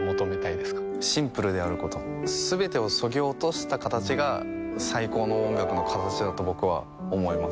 シンプルであることすべてを削ぎ落としたかたちが最高の音楽のかたちだと僕は思います